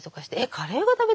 「カレーが食べたいの？